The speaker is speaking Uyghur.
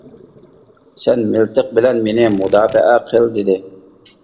سەن مىلتىق بىلەن مېنى مۇداپىئە قىل-دېدى.